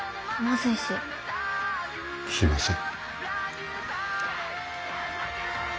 すいません。